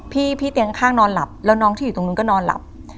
พี่เตียงข้างนอนหลับแล้วน้องที่อยู่ตรงนู้นก็นอนหลับ